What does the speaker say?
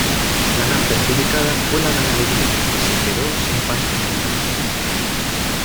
La gran perjudicada fue la ganadería, que se quedó sin pastos libres.